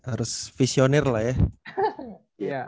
harus visionir lah ya